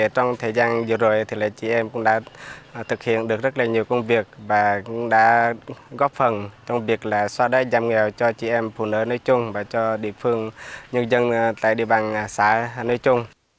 trong thời gian vừa rồi thì chị em cũng đã thực hiện được rất là nhiều công việc và cũng đã góp phần trong việc xóa đói giảm nghèo cho chị em phụ nữ nói chung và cho địa phương nhân dân tại địa bàn xã nói chung